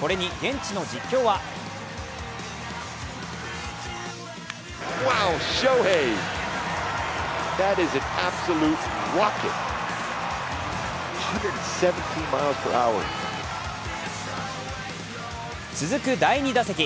これに現地の実況は続く第２打席。